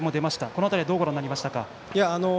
この辺りはどうご覧になりましたか？